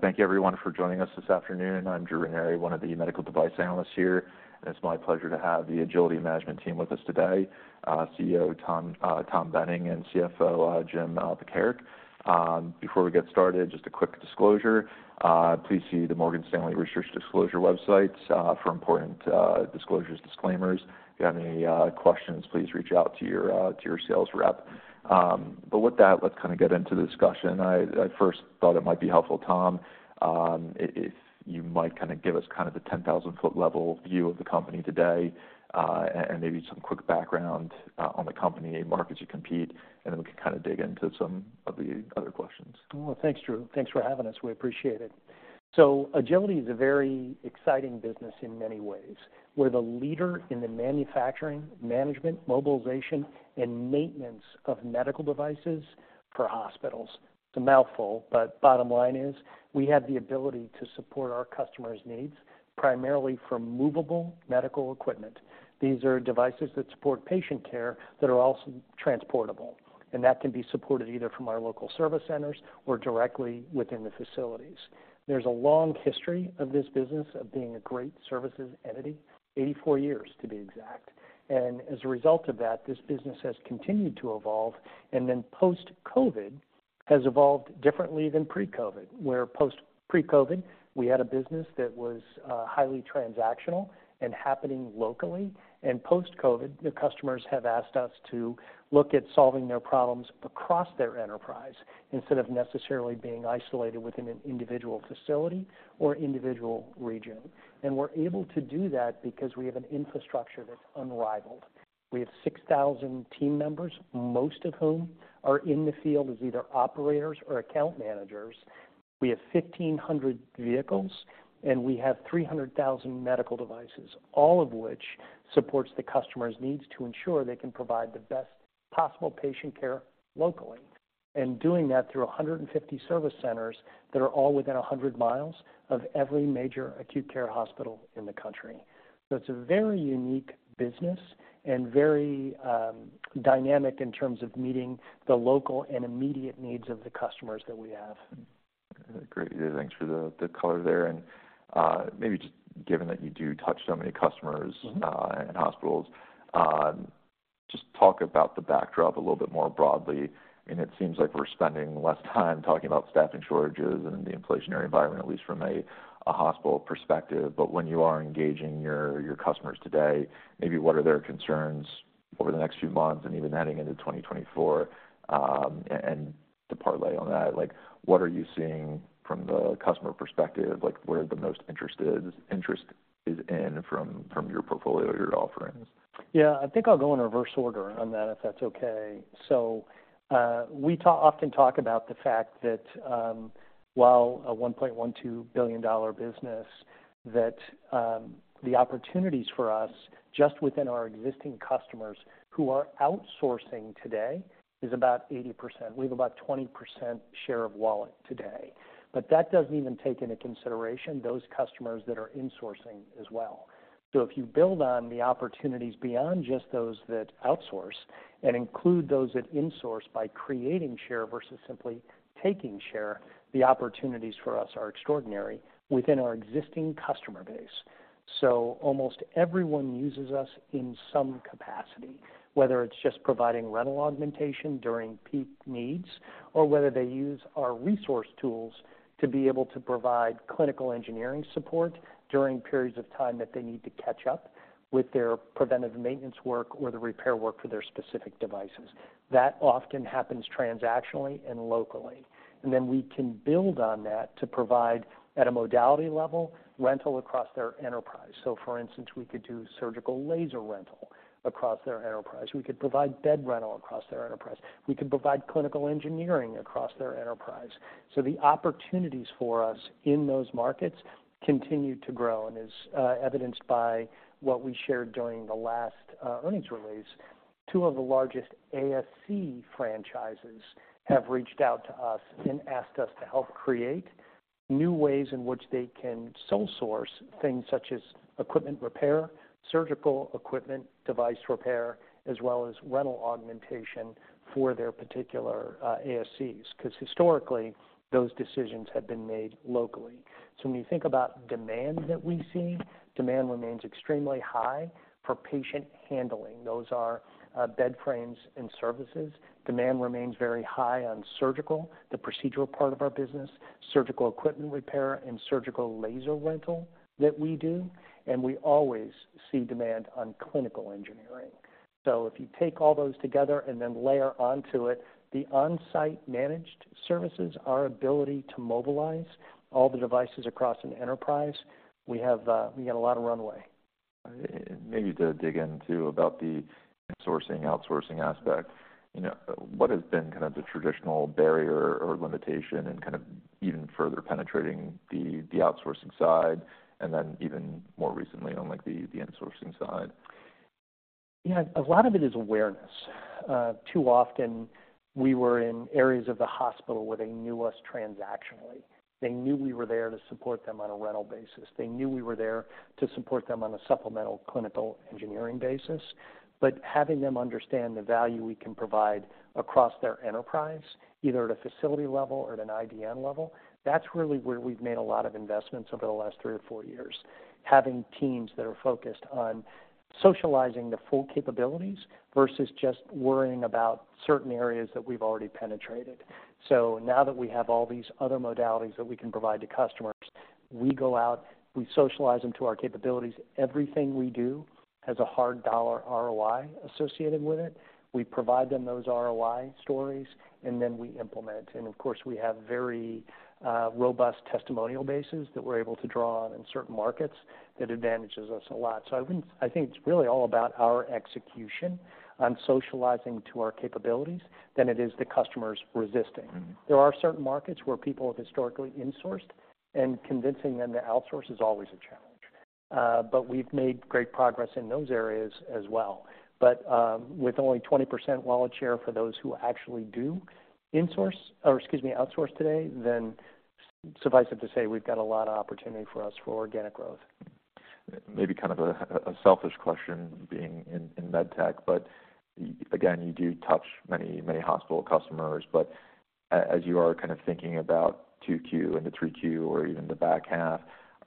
Thank you everyone for joining us this afternoon. I'm Drew Ranieri, one of the medical device analysts here, and it's my pleasure to have the Agiliti management team with us today, CEO, Tom Boehning, and CFO, Jim Pekarek. Before we get started, just a quick disclosure. Please see the Morgan Stanley Research Disclosure websites for important disclosures, disclaimers. If you have any questions, please reach out to your sales rep. But with that, let's kind of get into the discussion. I first thought it might be helpful, Tom, if you might kind of give us kind of the 10,000-foot level view of the company today, and maybe some quick background on the company and markets you compete, and then we can kind of dig into some of the other questions. Well, thanks, Drew. Thanks for having us. We appreciate it. So Agiliti is a very exciting business in many ways. We're the leader in the manufacturing, management, mobilization, and maintenance of medical devices for hospitals. It's a mouthful, but bottom line is, we have the ability to support our customers' needs, primarily for movable medical equipment. These are devices that support patient care that are also transportable, and that can be supported either from our local service centers or directly within the facilities. There's a long history of this business of being a great services entity, 84 years, to be exact. And as a result of that, this business has continued to evolve, and then post-COVID, has evolved differently than pre-COVID, where pre-COVID, we had a business that was highly transactional and happening locally, and post-COVID, the customers have asked us to look at solving their problems across their enterprise, instead of necessarily being isolated within an individual facility or individual region. And we're able to do that because we have an infrastructure that's unrivaled. We have 6,000 team members, most of whom are in the field as either operators or account managers. We have 1,500 vehicles, and we have 300,000 medical devices, all of which supports the customer's needs to ensure they can provide the best possible patient care locally, and doing that through 150 service centers that are all within 100 mi of every major acute care hospital in the country. So it's a very unique business and very, dynamic in terms of meeting the local and immediate needs of the customers that we have. Great. Yeah, thanks for the color there. And, maybe just given that you do touch so many customers- Mm-hmm. And hospitals, just talk about the backdrop a little bit more broadly. And it seems like we're spending less time talking about staffing shortages and the inflationary environment, at least from a hospital perspective. But when you are engaging your customers today, maybe what are their concerns over the next few months and even heading into 2024? And to parlay on that, like, what are you seeing from the customer perspective? Like, where the most interest is in from your portfolio, your offerings? Yeah, I think I'll go in reverse order on that, if that's okay. So, we often talk about the fact that, while a $1.12 billion business, the opportunities for us, just within our existing customers who are outsourcing today, is about 80%. We have about 20% share of wallet today, but that doesn't even take into consideration those customers that are insourcing as well. So if you build on the opportunities beyond just those that outsource and include those that insource by creating share versus simply taking share, the opportunities for us are extraordinary within our existing customer base. So almost everyone uses us in some capacity, whether it's just providing rental augmentation during peak needs, or whether they use our resource tools to be able to provide clinical engineering support during periods of time that they need to catch up with their preventive maintenance work or the repair work for their specific devices. That often happens transactionally and locally. And then we can build on that to provide, at a modality level, rental across their enterprise. So for instance, we could do surgical laser rental across their enterprise. We could provide bed rental across their enterprise. We could provide clinical engineering across their enterprise. So the opportunities for us in those markets continue to grow and is evidenced by what we shared during the last earnings release. Two of the largest ASC franchises have reached out to us and asked us to help create new ways in which they can sole source things such as equipment repair, surgical equipment, device repair, as well as rental augmentation for their particular, ASCs, because historically, those decisions have been made locally. So when you think about demand that we see, demand remains extremely high for patient handling. Those are, bed frames and services. Demand remains very high on surgical, the procedural part of our business, surgical equipment repair, and surgical laser rental that we do, and we always see demand on clinical engineering. So if you take all those together and then layer onto it, the on-site managed services, our ability to mobilize all the devices across an enterprise, we have, we got a lot of runway. Maybe to dig in too, about the insourcing, outsourcing aspect, you know, what has been kind of the traditional barrier or limitation in kind of even further penetrating the outsourcing side, and then even more recently on, like, the insourcing side? Yeah, a lot of it is awareness. Too often, we were in areas of the hospital where they knew us transactionally. They knew we were there to support them on a rental basis. They knew we were there to support them on a supplemental clinical engineering basis. But having them understand the value we can provide across their enterprise, either at a facility level or at an IDN level, that's really where we've made a lot of investments over the last three or four years. Having teams that are focused on socializing the full capabilities, versus just worrying about certain areas that we've already penetrated. So now that we have all these other modalities that we can provide to customers, we go out, we socialize them to our capabilities. Everything we do has a hard dollar ROI associated with it. We provide them those ROI stories, and then we implement. And of course, we have very robust testimonial bases that we're able to draw on in certain markets, that advantages us a lot. So I wouldn't. I think it's really all about our execution on socializing to our capabilities than it is the customers resisting. There are certain markets where people have historically insourced, and convincing them to outsource is always a challenge. But we've made great progress in those areas as well. But with only 20% wallet share for those who actually do insource, or excuse me, outsource today, then suffice it to say, we've got a lot of opportunity for us for organic growth. Maybe kind of a selfish question, being in med tech, but again, you do touch many, many hospital customers. But as you are kind of thinking about 2Q into 3Q or even the back half,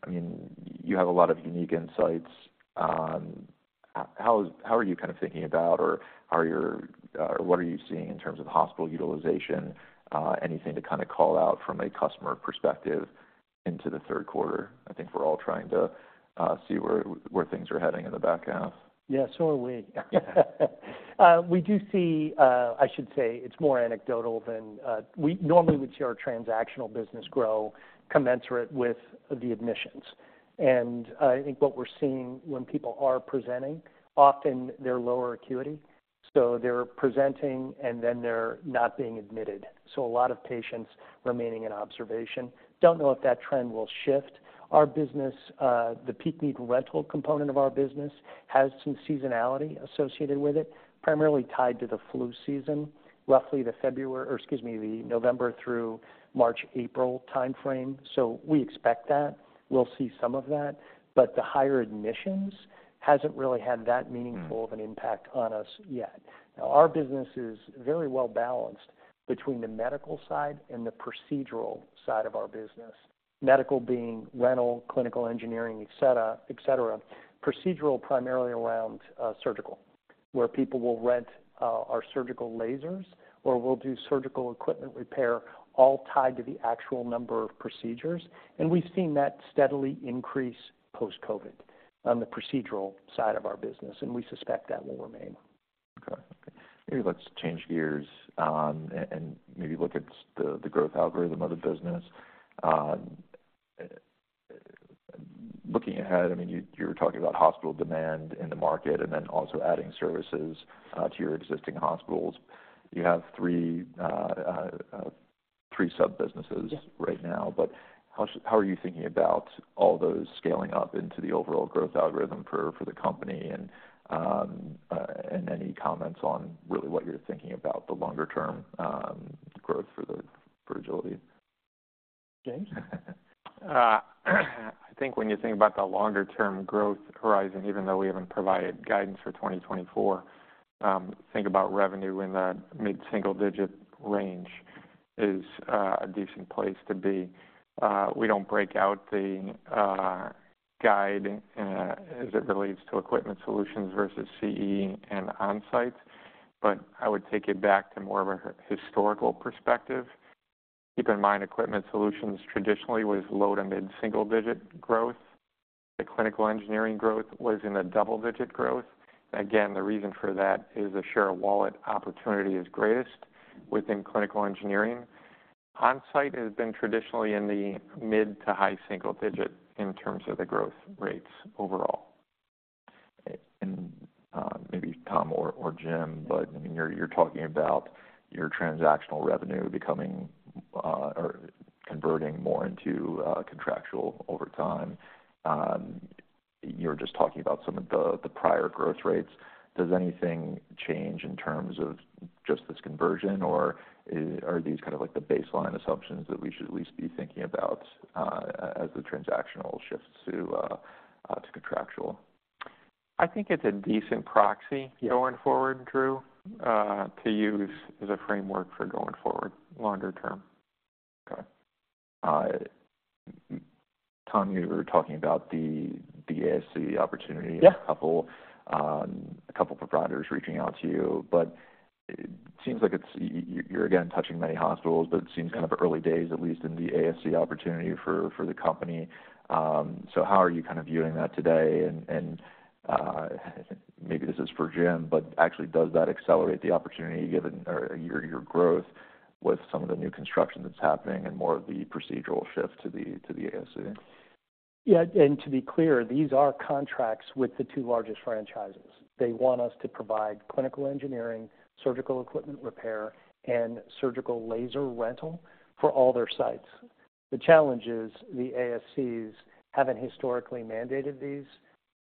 I mean, you have a lot of unique insights on... How are you kind of thinking about or how are your, or what are you seeing in terms of hospital utilization? Anything to kind of call out from a customer perspective into the third quarter? I think we're all trying to see where, where things are heading in the back half. Yeah, so are we. We do see. I should say it's more anecdotal than... We normally would see our transactional business grow commensurate with the admissions. And I think what we're seeing when people are presenting, often they're lower acuity, so they're presenting, and then they're not being admitted. So a lot of patients remaining in observation. Don't know if that trend will shift. Our business, the Peak Need Rental component of our business, has some seasonality associated with it, primarily tied to the flu season, roughly the February, or excuse me, the November through March, April timeframe. So we expect that. We'll see some of that, but the higher admissions hasn't really had that meaningful- Mm-hmm. - of an impact on us yet. Now, our business is very well balanced between the medical side and the procedural side of our business. Medical being rental, clinical engineering, et cetera, et cetera. Procedural, primarily around surgical, where people will rent our surgical lasers, or we'll do surgical equipment repair, all tied to the actual number of procedures, and we've seen that steadily increase post-COVID on the procedural side of our business, and we suspect that will remain. Okay. Maybe let's change gears and maybe look at the growth algorithm of the business. Looking ahead, I mean, you were talking about hospital demand in the market and then also adding services to your existing hospitals. You have three sub-businesses- Yes Right now, but how are you thinking about all those scaling up into the overall growth algorithm for the company? And any comments on really what you're thinking about the longer-term growth for Agiliti? Jim? I think when you think about the longer-term growth horizon, even though we haven't provided guidance for 2024, think about revenue in the mid-single-digit range is a decent place to be. We don't break out the guide as it relates to Equipment Solutions versus CE and Onsite, but I would take it back to more of a historical perspective. Keep in mind, Equipment Solutions traditionally was low to mid-single-digit growth. The Clinical Engineering growth was in a double-digit growth. Again, the reason for that is the share of wallet opportunity is greatest within Clinical Engineering. Onsite has been traditionally in the mid to high-single-digit in terms of the growth rates overall. Maybe Tom or Jim, but I mean, you're talking about your transactional revenue becoming or converting more into contractual over time. You're just talking about some of the prior growth rates. Does anything change in terms of just this conversion, or are these kind of like the baseline assumptions that we should at least be thinking about as the transactional shifts to contractual? I think it's a decent proxy going forward, Drew, to use as a framework for going forward, longer term. Okay. Tom, you were talking about the ASC opportunity- Yeah - a couple of providers reaching out to you, but it seems like it's... You're again, touching many hospitals, but it seems- Yeah It's kind of early days, at least in the ASC opportunity for the company. So how are you kind of viewing that today? And maybe this is for Jim, but actually, does that accelerate the opportunity given your growth with some of the new construction that's happening and more of the procedural shift to the ASC? Yeah, and to be clear, these are contracts with the two largest franchises. They want us to provide clinical engineering, surgical equipment repair, and surgical laser rental for all their sites. The challenge is the ASCs haven't historically mandated these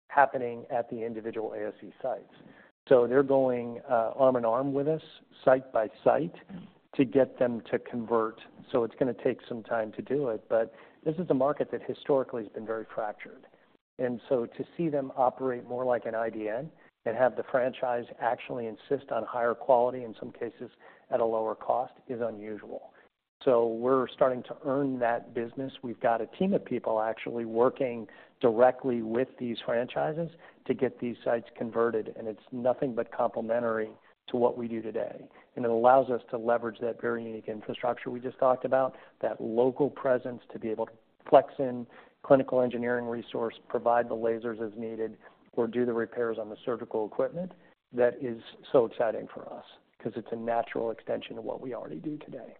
happening at the individual ASC sites. So they're going arm in arm with us, site by site, to get them to convert. So it's going to take some time to do it, but this is a market that historically has been very fractured. And so to see them operate more like an IDN and have the franchise actually insist on higher quality, in some cases at a lower cost, is unusual. So we're starting to earn that business. We've got a team of people actually working directly with these franchises to get these sites converted, and it's nothing but complementary to what we do today. It allows us to leverage that very unique infrastructure we just talked about, that local presence, to be able to flex in clinical engineering resource, provide the lasers as needed, or do the repairs on the surgical equipment. That is so exciting for us because it's a natural extension of what we already do today.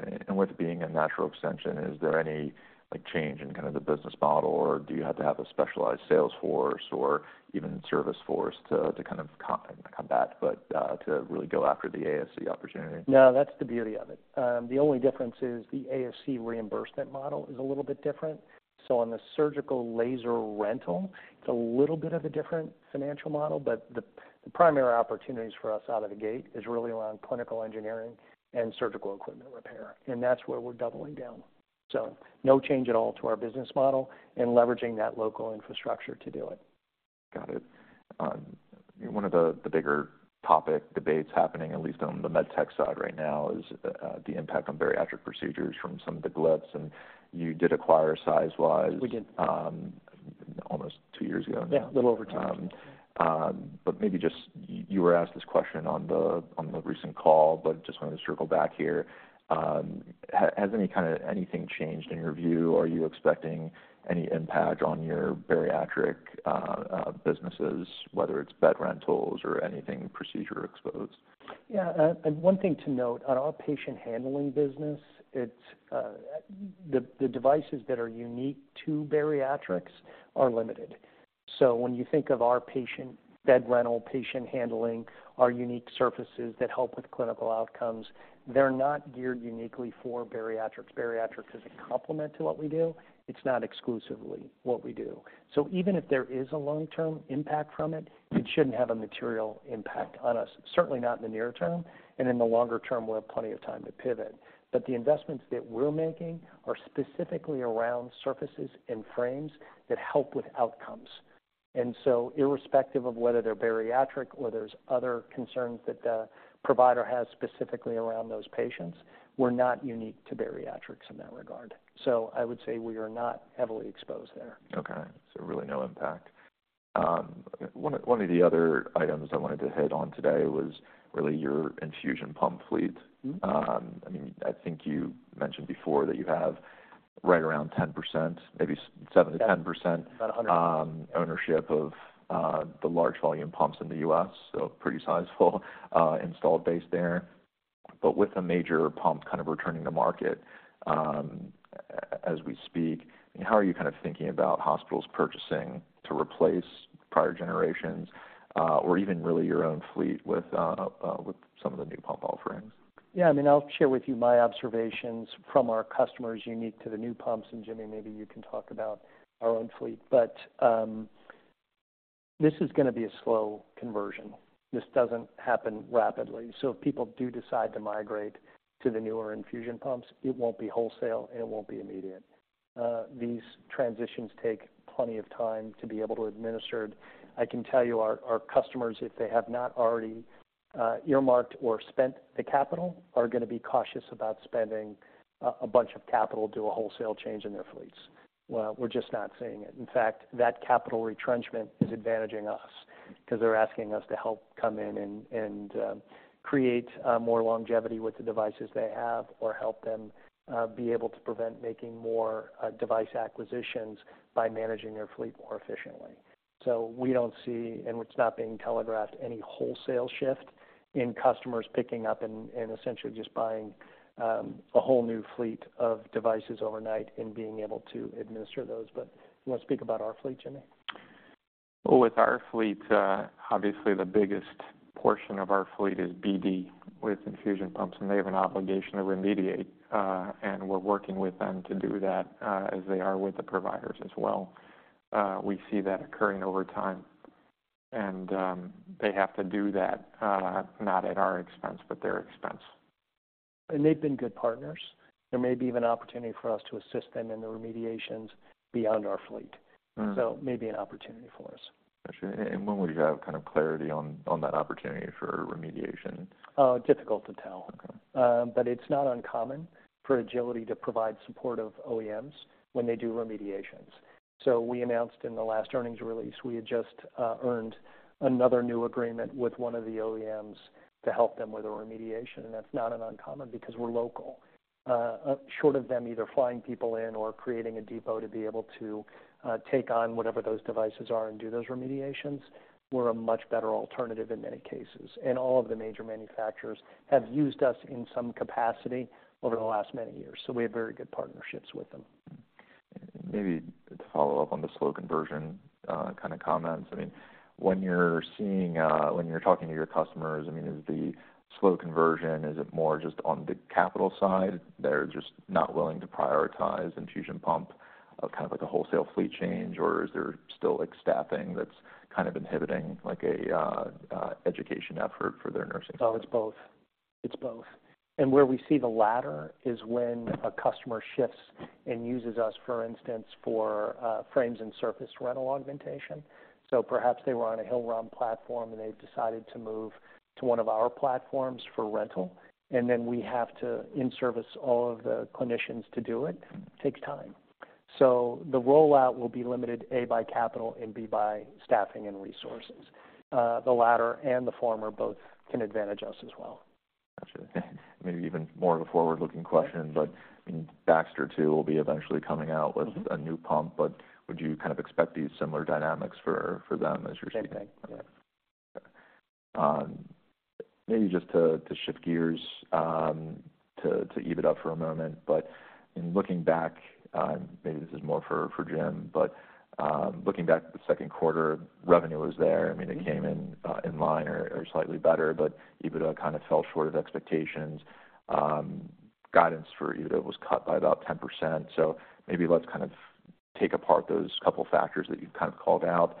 Okay. And with it being a natural extension, is there any, like, change in kind of the business model, or do you have to have a specialized sales force or even service force to kind of not come back, but to really go after the ASC opportunity? No, that's the beauty of it. The only difference is the ASC reimbursement model is a little bit different. So on the surgical laser rental, it's a little bit of a different financial model, but the primary opportunities for us out of the gate is really around Clinical Engineering and Surgical Equipment Repair, and that's where we're doubling down. So no change at all to our business model and leveraging that local infrastructure to do it. Got it. One of the bigger topic debates happening, at least on the med tech side right now, is the impact on bariatric procedures from some of the GLP-1s. And you did acquire Sizewise- We did. Almost two years ago now. Yeah, a little over two years. But maybe just, you were asked this question on the recent call, but just wanted to circle back here. Has any kind of anything changed in your view? Are you expecting any impact on your bariatric businesses, whether it's bed rentals or anything procedure exposed? Yeah, and one thing to note, on our patient handling business, it's the devices that are unique to bariatrics are limited. So when you think of our patient bed rental, patient handling, our unique surfaces that help with clinical outcomes, they're not geared uniquely for bariatrics. Bariatrics is a complement to what we do. It's not exclusively what we do. So even if there is a long-term impact from it, it shouldn't have a material impact on us, certainly not in the near term, and in the longer term, we'll have plenty of time to pivot. But the investments that we're making are specifically around surfaces and frames that help with outcomes. And so irrespective of whether they're bariatric or there's other concerns that the provider has specifically around those patients, we're not unique to bariatrics in that regard. So I would say we are not heavily exposed there. Okay. So really, no impact. One of the other items I wanted to hit on today was really your infusion pump fleet. Mm-hmm. I mean, I think you mentioned before that you have right around 10%, maybe 7%-10%- Yeah. Ownership of the large volume pumps in the U.S., so pretty sizable installed base there. But with a major pump kind of returning to market, as we speak, how are you kind of thinking about hospitals purchasing to replace prior generations, or even really your own fleet with some of the new pump offerings? Yeah, I mean, I'll share with you my observations from our customers, unique to the new pumps, and Jimmy, maybe you can talk about our own fleet. But this is going to be a slow conversion. This doesn't happen rapidly. So if people do decide to migrate to the newer infusion pumps, it won't be wholesale, and it won't be immediate. These transitions take plenty of time to be able to administered. I can tell you, our, our customers, if they have not already, earmarked or spent the capital, are going to be cautious about spending, a bunch of capital, do a wholesale change in their fleets. Well, we're just not seeing it. In fact, that capital retrenchment is advantaging us because they're asking us to help come in and create more longevity with the devices they have or help them be able to prevent making more device acquisitions by managing their fleet more efficiently. So we don't see, and it's not being telegraphed, any wholesale shift in customers picking up and essentially just buying a whole new fleet of devices overnight and being able to administer those. But you want to speak about our fleet, Jimmy? Well, with our fleet, obviously, the biggest portion of our fleet is BD with infusion pumps, and they have an obligation to remediate, and we're working with them to do that, as they are with the providers as well. We see that occurring over time, and, they have to do that, not at our expense, but their expense. They've been good partners. There may be even an opportunity for us to assist them in the remediations beyond our fleet. Mm-hmm. Maybe an opportunity for us. Got you. And when would you have kind of clarity on that opportunity for remediation? Difficult to tell. Okay. But it's not uncommon for Agiliti to provide support of OEMs when they do remediations. So we announced in the last earnings release, we had just earned another new agreement with one of the OEMs to help them with a remediation, and that's not an uncommon because we're local. Short of them either flying people in or creating a depot to be able to take on whatever those devices are and do those remediations, we're a much better alternative in many cases. And all of the major manufacturers have used us in some capacity over the last many years, so we have very good partnerships with them. Maybe to follow up on the slow conversion, kind of comments. I mean, when you're seeing, when you're talking to your customers, I mean, is the slow conversion, is it more just on the capital side? They're just not willing to prioritize infusion pump of kind of like a wholesale fleet change, or is there still, like, staffing that's kind of inhibiting, like, a education effort for their nursing staff? Oh, it's both. It's both. And where we see the latter is when a customer shifts and uses us, for instance, for frames and surface rental augmentation. So perhaps they were on a Hillrom platform, and they've decided to move to one of our platforms for rental, and then we have to in-service all of the clinicians to do it, takes time. So the rollout will be limited, A, by capital and B, by staffing and resources. The latter and the former both can advantage us as well. Got you. Maybe even more of a forward-looking question, but Baxter, too, will be eventually coming out with a new pump. But would you kind of expect these similar dynamics for, for them as you're seeing? Same thing, yes. Maybe just to shift gears, to even it up for a moment. But in looking back, maybe this is more for Jim, but looking back at the second quarter, revenue was there. I mean, it came in in line or slightly better, but EBITDA kind of fell short of expectations. Guidance for EBITDA was cut by about 10%. So maybe let's kind of take apart those couple factors that you've kind of called out.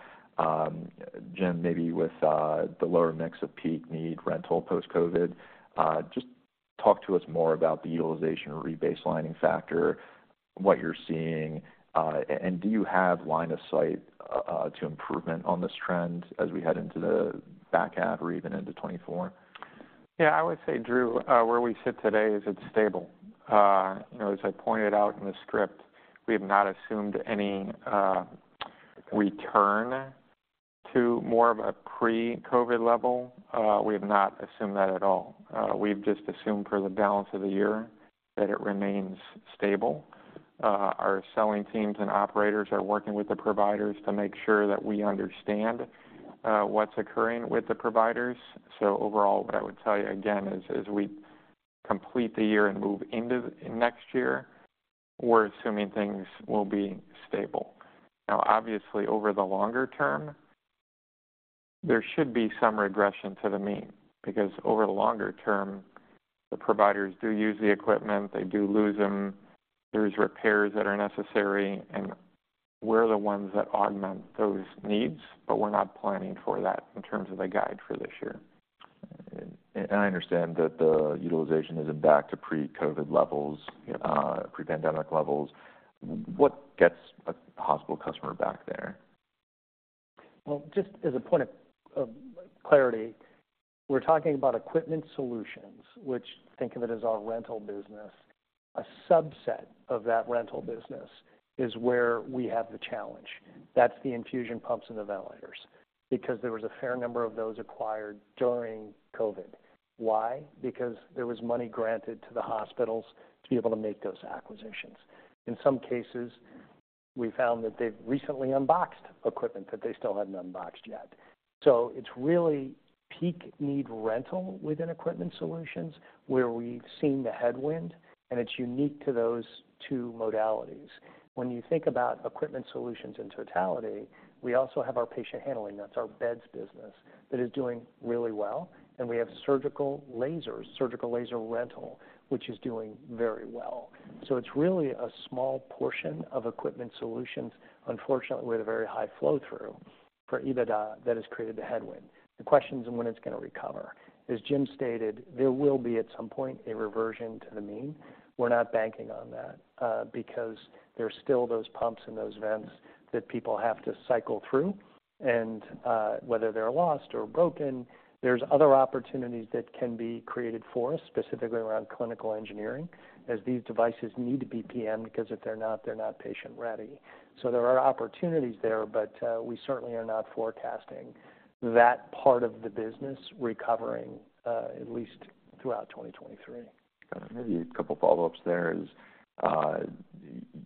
Jim, maybe with the lower mix of Peak Need Rental post-COVID, just talk to us more about the utilization rebaselining factor, what you're seeing, and do you have line of sight to improvement on this trend as we head into the back half or even into 2024? Yeah, I would say, Drew, where we sit today is it's stable. You know, as I pointed out in the script, we have not assumed any return to more of a pre-COVID level. We have not assumed that at all. We've just assumed for the balance of the year that it remains stable. Our selling teams and operators are working with the providers to make sure that we understand what's occurring with the providers. So overall, what I would tell you again is as we complete the year and move into the next year, we're assuming things will be stable. Now, obviously, over the longer term, there should be some regression to the mean, because over the longer term, the providers do use the equipment, they do lose them. There's repairs that are necessary, and we're the ones that augment those needs, but we're not planning for that in terms of the guide for this year. I understand that the utilization isn't back to pre-COVID levels, pre-pandemic levels. What gets a hospital customer back there? Well, just as a point of, of clarity, we're talking about Equipment Solutions, which think of it as our rental business. A subset of that rental business is where we have the challenge. That's the infusion pumps and the ventilators, because there was a fair number of those acquired during COVID. Why? Because there was money granted to the hospitals to be able to make those acquisitions. In some cases, we found that they've recently unboxed equipment that they still hadn't unboxed yet. So it's really Peak Need Rental within Equipment Solutions, where we've seen the headwind, and it's unique to those two modalities. When you think about Equipment Solutions in totality, we also have our patient handling, that's our beds business, that is doing really well, and we have surgical lasers, surgical laser rental, which is doing very well. So it's really a small portion of Equipment Solutions, unfortunately, with a very high flow-through for EBITDA that has created the headwind. The question is when it's going to recover. As Jim stated, there will be, at some point, a reversion to the mean. We're not banking on that, because there's still those pumps and those vents that people have to cycle through. And, whether they're lost or broken, there's other opportunities that can be created for us, specifically around Clinical Engineering, as these devices need to be PM, because if they're not, they're not patient-ready. So there are opportunities there, but, we certainly are not forecasting that part of the business recovering, at least throughout 2023. Got it. Maybe a couple follow-ups there.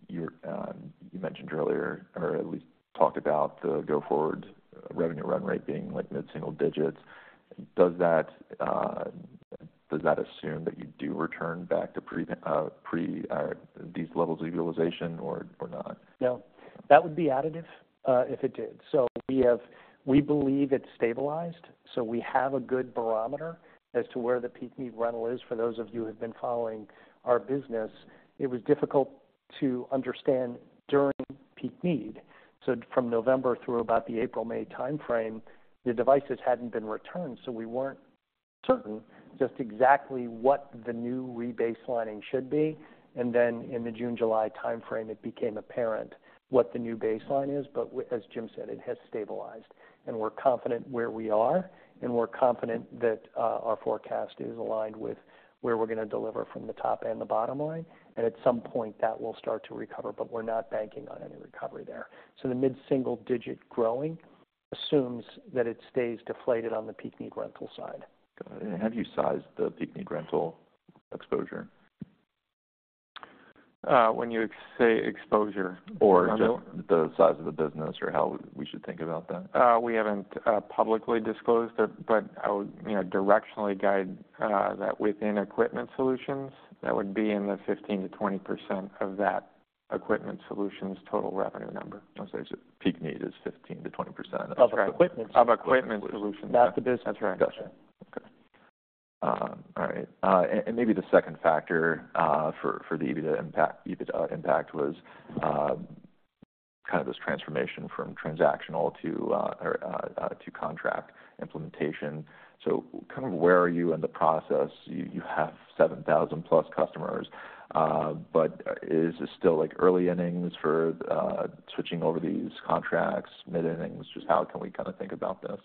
You mentioned earlier, or at least talked about the go-forward revenue run rate being like mid-single digits. Does that assume that you do return back to pre these levels of utilization or not? No, that would be additive if it did. We believe it's stabilized, so we have a good barometer as to where the peak need rental is. For those of you who have been following our business, it was difficult to understand during peak need. So from November through about the April, May timeframe, the devices hadn't been returned, so we weren't certain just exactly what the new rebaselining should be. And then in the June, July timeframe, it became apparent what the new baseline is. But as Jim said, it has stabilized, and we're confident where we are, and we're confident that our forecast is aligned with where we're going to deliver from the top and the bottom line. And at some point, that will start to recover, but we're not banking on any recovery there. So the mid-single-digit growing assumes that it stays deflated on the Peak Need Rental side. Got it. Have you sized the Peak Need Rental exposure? When you say exposure- Or just the size of the business, or how we should think about that? We haven't publicly disclosed it, but I would, you know, directionally guide that within Equipment Solutions, that would be in the 15%-20% of that Equipment Solutions' total revenue number. I say peak need is 15%-20% of- Of Equipment Solutions. Of Equipment Solutions. Not the business. That's right. Gotcha. Okay. All right, and maybe the second factor for the EBITDA impact, EBITDA impact was kind of this transformation from transactional to contract implementation. So kind of where are you in the process? You have 7,000+ customers, but is this still like early innings for switching over these contracts, mid innings? Just how can we kind of think about this?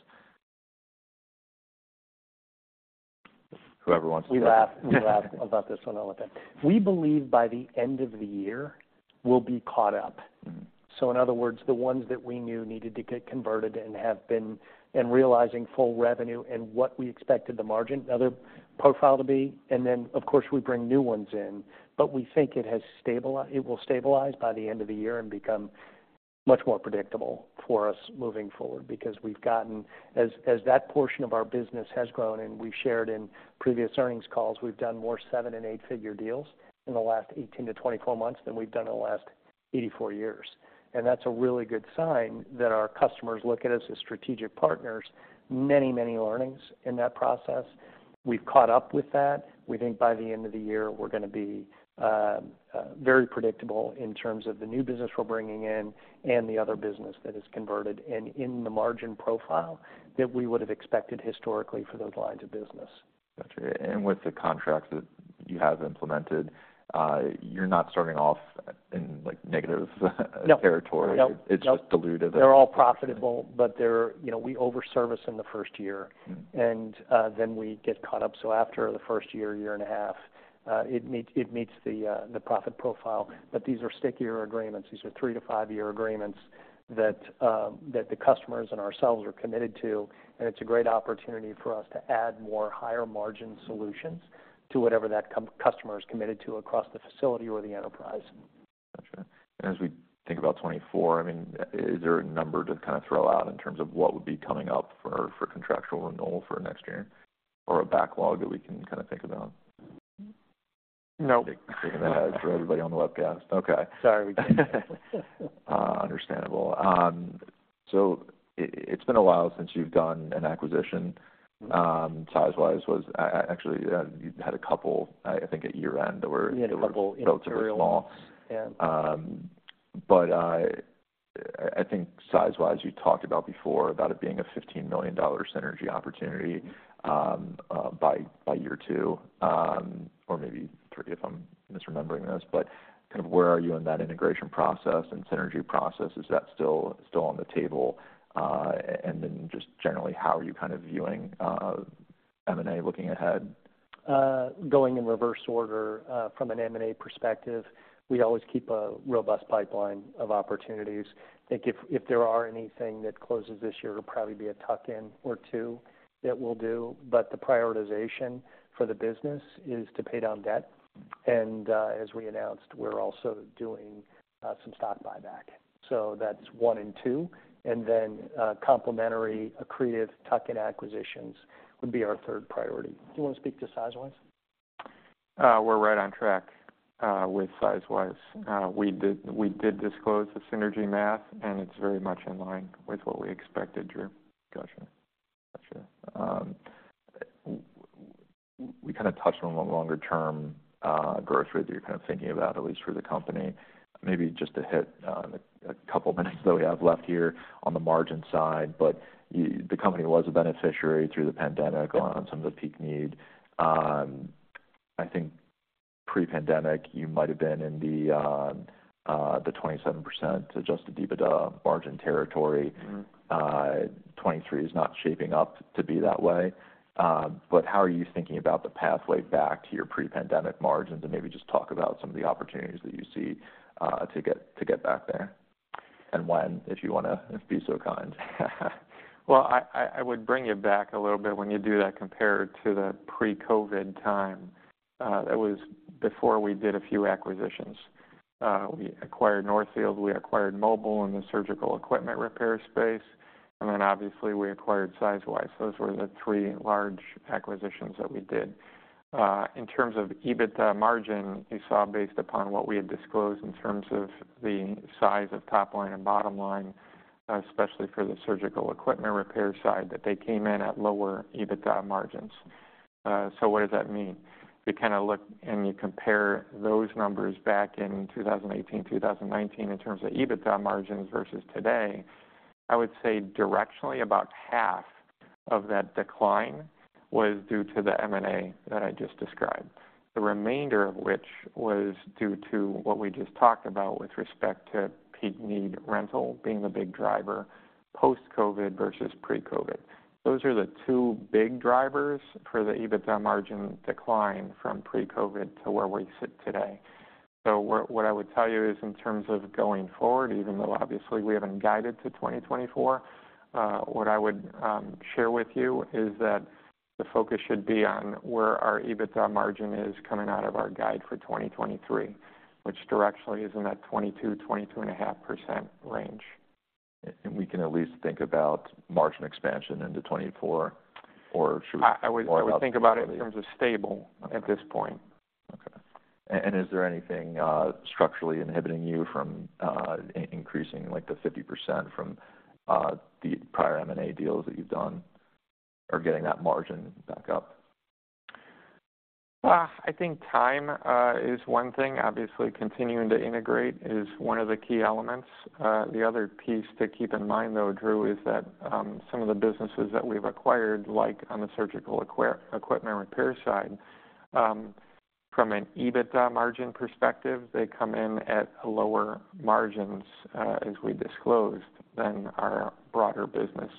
Whoever wants to- We laugh, we laugh about this one on the webcast. We believe by the end of the year, we'll be caught up. So in other words, the ones that we knew needed to get converted and have been, and realizing full revenue and what we expected the margin, the other profile to be, and then, of course, we bring new ones in. But we think it will stabilize by the end of the year and become much more predictable for us moving forward, because we've gotten... As, as that portion of our business has grown, and we've shared in previous earnings calls, we've done more seven and eight-figure deals in the last 18-24 months than we've done in the last 84 years. And that's a really good sign that our customers look at us as strategic partners, many, many learnings in that process. We've caught up with that. We think by the end of the year, we're gonna be very predictable in terms of the new business we're bringing in and the other business that is converted, and in the margin profile that we would have expected historically for those lines of business. Got you. And with the contracts that you have implemented, you're not starting off in, like, negative territory? No. It's just dilutive. They're all profitable, but they're, you know, we over-service in the first year- Mm-hmm. And then we get caught up. So after the first year, year and a half, it meets the profit profile. But these are stickier agreements. These are three to five-year agreements that the customers and ourselves are committed to, and it's a great opportunity for us to add more higher-margin solutions to whatever that customer is committed to across the facility or the enterprise. Got you. And as we think about 2024, I mean, is there a number to kind of throw out in terms of what would be coming up for, for contractual renewal for next year, or a backlog that we can kind of think about? No. For everybody on the webcast. Okay. Sorry, we can't. Understandable. It's been a while since you've done an acquisition. Mm-hmm. Sizewise was... actually, you had a couple, I think, at year-end that were- We had a couple, yeah. Small. Yeah. But I think Sizewise, you talked about before about it being a $15 million synergy opportunity, by year two, or maybe three, if I'm misremembering this. But kind of where are you in that integration process and synergy process? Is that still on the table? And then just generally, how are you kind of viewing M&A, looking ahead? Going in reverse order, from an M&A perspective, we always keep a robust pipeline of opportunities. I think if, if there are anything that closes this year, it'll probably be a tuck-in or two that we'll do, but the prioritization for the business is to pay down debt. And, as we announced, we're also doing some stock buyback. So that's one and two, and then, complementary, accretive, tuck-in acquisitions would be our third priority. Do you wanna speak to Sizewise? We're right on track with Sizewise. We did disclose the synergy math, and it's very much in line with what we expected, Drew. Gotcha. Gotcha. We kind of touched on the longer-term growth rate that you're kind of thinking about, at least for the company. Maybe just to hit a couple minutes that we have left here on the margin side, but you—the company was a beneficiary through the pandemic on some of the peak need. I think pre-pandemic, you might have been in the 27% adjusted EBITDA margin territory. Mm-hmm. 2023 is not shaping up to be that way. But how are you thinking about the pathway back to your pre-pandemic margins? And maybe just talk about some of the opportunities that you see to get back there, and when, if you wanna, if be so kind. Well, I would bring you back a little bit when you do that compared to the pre-COVID time. That was before we did a few acquisitions. We acquired Northfield, we acquired Mobile in the surgical equipment repair space, and then obviously, we acquired Sizewise. Those were the three large acquisitions that we did. In terms of EBITDA margin, you saw, based upon what we had disclosed in terms of the size of top line and bottom line, especially for the surgical equipment repair side, that they came in at lower EBITDA margins. So what does that mean? We kind of look and you compare those numbers back in 2018, 2019, in terms of EBITDA margins versus today, I would say directionally, about half of that decline was due to the M&A that I just described, the remainder of which was due to what we just talked about with respect to peak need rental being the big driver, post-COVID versus pre-COVID. Those are the two big drivers for the EBITDA margin decline from pre-COVID to where we sit today. So what, what I would tell you is in terms of going forward, even though obviously we haven't guided to 2024, what I would share with you is that the focus should be on where our EBITDA margin is coming out of our guide for 2023, which directionally is in that 22-22.5% range. And we can at least think about margin expansion into 2024, or should we- I would think about it in terms of stable- Okay. At this point. Okay. And is there anything structurally inhibiting you from increasing, like, the 50% from the prior M&A deals that you've done, or getting that margin back up? I think time is one thing. Obviously, continuing to integrate is one of the key elements. The other piece to keep in mind, though, Drew, is that some of the businesses that we've acquired, like on the surgical equipment repair side, from an EBITDA margin perspective, they come in at lower margins, as we disclosed, than our broader business.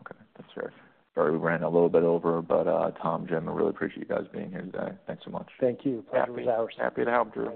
Okay. That's fair. Sorry, we ran a little bit over, but, Tom, Jim, I really appreciate you guys being here today. Thanks so much. Thank you. Pleasure is ours. Happy, happy to help, Drew.